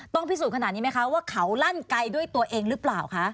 พิสูจนขนาดนี้ไหมคะว่าเขาลั่นไกลด้วยตัวเองหรือเปล่าคะ